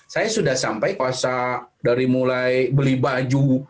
saya sudah sampai kuasa dari mulai beli baju